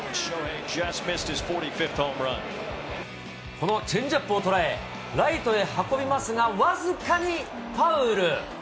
このチェンジアップを捉え、ライトへ運びますが、僅かにファウル。